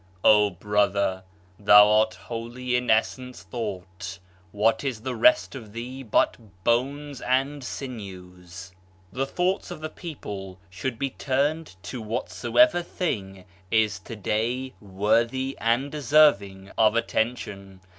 "O Brother, thou art wholly in essence thought; What is the rest of thee but bones and sinews?" The thoughts of the people should be turned to whatsoever thing is today worthy and deserving of attention.